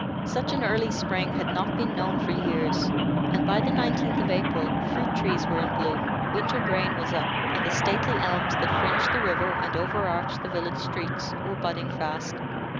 Such an early spring had not been known for years; and by the 19th of April fruit trees were in bloom, winter grain was up, and the stately elms that fringed the river and overarched the village streets were budding fast.